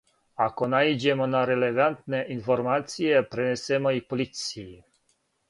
Ако наиђемо на релевантне информације, пренесемо их полицији.